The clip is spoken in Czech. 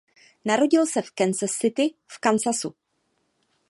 Narodil se v Kansas City v Kansasu.